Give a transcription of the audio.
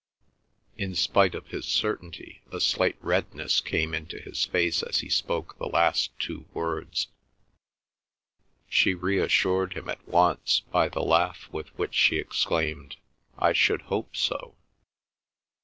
." In spite of his certainty a slight redness came into his face as he spoke the last two words. She reassured him at once by the laugh with which she exclaimed, "I should hope so!"